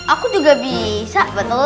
aku juga bisa betul